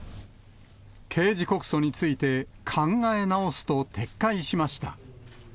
刑事告訴について、考え直すと撤回しました。